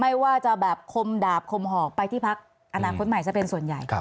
ไม่ว่าจะแบบคมดาบคมหอกไปที่พักอนาคตใหม่ซะเป็นส่วนใหญ่